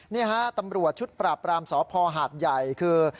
นี่ฮะตำรวจชุดปราบรามสพหาดใหญ่คือ